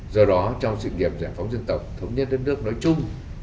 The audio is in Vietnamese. do đó trong sự nghiệp giải phóng dân tộc thống nhất đất nước nói chung